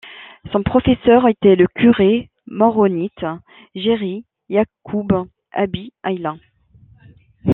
Son professeur était le curé maronite Geries Yacoub Abi Hayla.